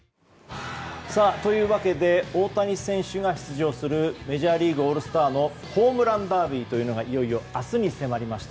というわけで大谷選手が出場するメジャーリーグ・オールスターのホームランダービーというのがいよいよ明日に迫りました。